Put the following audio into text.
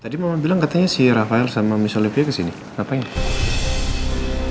tadi mama bilang katanya si rafael sama mich olivia kesini ngapain